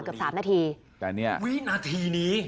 เกือบ๓นาที